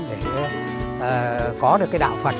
để có được cái đạo phật